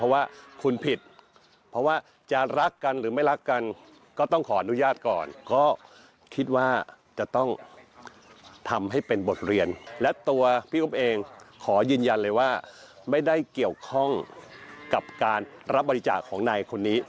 ว่าไม่ได้เกี่ยวข้องกับการรับบัติศาสตร์ของนายคนนี้